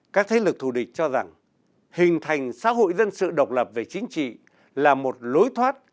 các thế lực thù địch cho rằng hình thành xã hội dân sự độc lập về chính trị là một lối thoát